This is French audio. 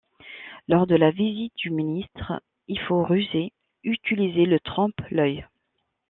Lors de la visite du ministre, il faut ruser, utiliser le trompe-l'œil.